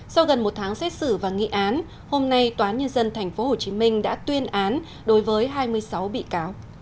sau gần một tháng xét xử và nghị án hôm nay toán nhân dân tp hcm đã tuyên án đối với hai mươi sáu bị cáo